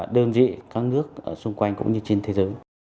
đơn vị các nước xung quanh cũng như trên thế giới